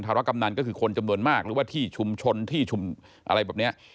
รกำนันก็คือคนจำนวนมากหรือว่าที่ชุมชนที่ชุมอะไรแบบนี้